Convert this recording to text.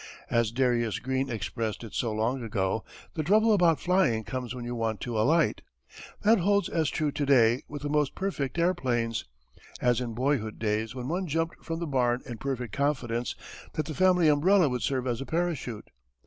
As Darius Green expressed it so long ago, the trouble about flying comes when you want to alight. That holds as true to day with the most perfect airplanes, as in boyhood days when one jumped from the barn in perfect confidence that the family umbrella would serve as a parachute.